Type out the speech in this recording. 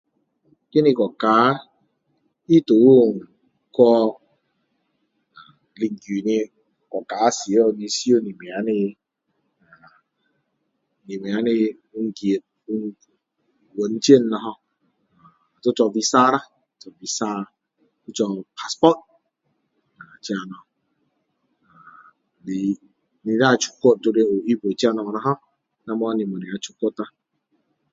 就是国家印度去临近的国家时你需要什么的什么的 wun 间文件啦 ho 得做 visa 啦得做 visa 做 passport 啊这些东西你若要出国就要预备这东西啦 ho 不然你不能出国啦 ho